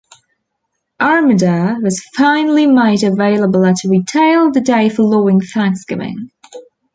"Armada" was finally made available at retail the day following Thanksgiving.